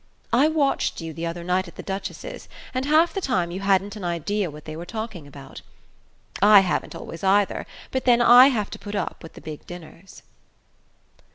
I watched you the other night at the Duchess's, and half the time you hadn't an idea what they were talking about. I haven't always, either; but then I have to put up with the big dinners."